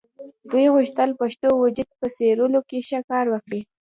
دوی غوښتل پښتون وجود په څېرلو کې ښه کار وکړي.